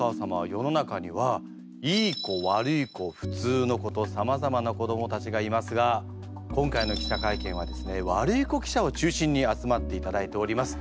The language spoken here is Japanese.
世の中にはいい子悪い子普通の子とさまざまな子どもたちがいますが今回の記者会見はですねワルイコ記者を中心に集まっていただいております。